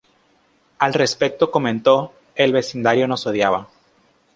Al respecto comentó: "El vecindario nos odiaba.